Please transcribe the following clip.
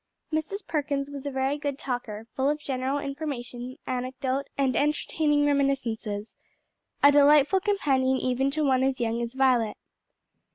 Mrs. Perkins was a very good talker, full of general information, anecdote and entertaining reminiscences, a delightful companion even to one as young as Violet.